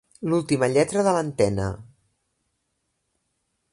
L'última lletra de l'antena.